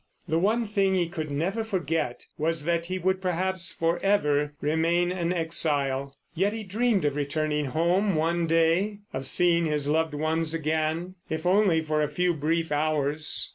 The one thing he could never forget was that he would, perhaps for ever, remain an exile. Yet he dreamed of returning home one day, of seeing his loved ones again—if only for a few brief hours.